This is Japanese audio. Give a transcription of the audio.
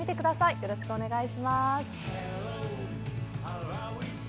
よろしくお願いします。